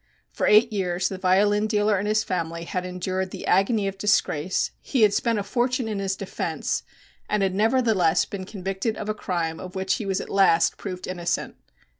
For eight years the violin dealer and his family had endured the agony of disgrace, he had spent a fortune in his defense, and had nevertheless been convicted of a crime of which he was at last proved innocent.